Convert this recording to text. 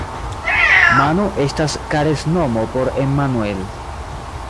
Mano estas karesnomo por Emmanuel.